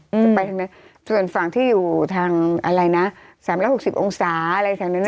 จะไปทางนั้นส่วนฝั่งที่อยู่ทางอะไรนะ๓๖๐องศาอะไรแบบนั้นนะ